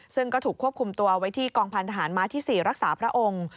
ซึ่งก็ถูกควบคุมตัวไว้ที่กองพันธหารม้าที่๔รักษาพระองค์